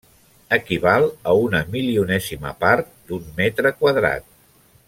Equival a una milionèsima part d'un metre quadrat.